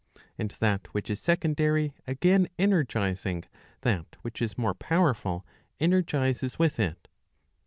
And that which is secondary again energizing, that which is more powerful energizes with it.